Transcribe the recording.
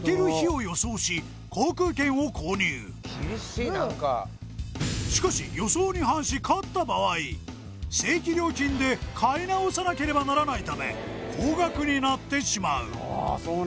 つまりあらかじめ自分がしかし予想に反し勝った場合正規料金で買い直さなければならないため高額になってしまう